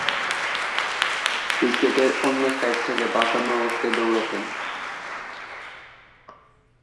উইকেটের on side থেকে বাঁকানো অবস্থায় দৌঁড়তেন।